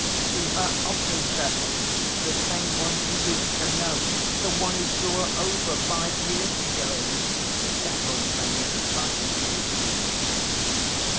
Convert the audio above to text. "To her officer, the same one she used to know, the one who threw her over five years ago," cackled Fenya, as fast as she could speak.